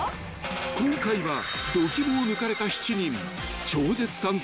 ［今回は度肝を抜かれた７人超絶さん